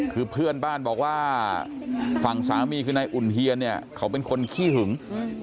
คือเพื่อนบ้านบอกว่าฝั่งสามีคือนายอุ่นเฮียนเนี่ยเขาเป็นคนขี้หึง